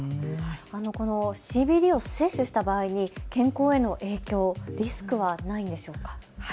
このＣＢＤを摂取した場合に健康への影響、リスクはないのでしょうか。